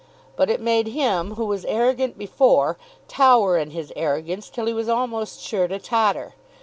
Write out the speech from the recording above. But it made him, who was arrogant before, tower in his arrogance till he was almost sure to totter.